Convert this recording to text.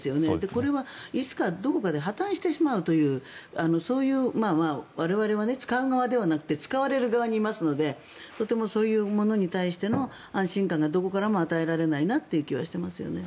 これはいつかどこかで破たんしてしまうという我々は使う側ではなくて使われる側にいますのでとても、そういうものに対しての安心感がどこからも与えられないなという気はしていますね。